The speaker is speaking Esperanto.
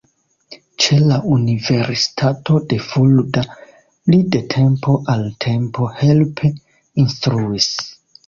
Ĉe la universitato de Fulda li de tempo al tempo helpe instruis.